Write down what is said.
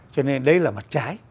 cho nên đấy là mặt trái